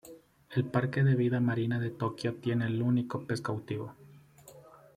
El Parque de Vida Marina de Tokio tiene el único pez cautivo.